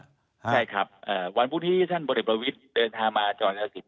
ใช่ครับวันพรุ่งนี้ท่านบริปรวิทย์เดินทางมาจอดทางสิน